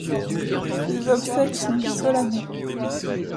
Ses obsèques sont solennelles.